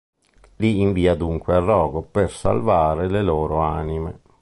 Li invia dunque al rogo per salvare le loro anime.